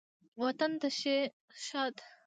وطنه ته شي ښاد